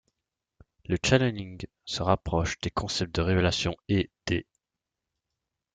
Le channeling se rapproche des concepts de révélation et d'.